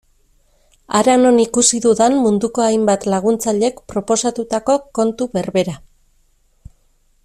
Hara non ikusi dudan munduko hainbat laguntzailek proposatutako kontu berbera.